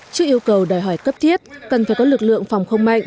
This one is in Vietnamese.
trước yêu cầu đòi hỏi cấp tiết cần phải có lực lượng phòng khóa